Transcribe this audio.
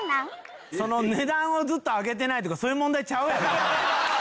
値段をずっと上げてないとかそういう問題ちゃうやろ。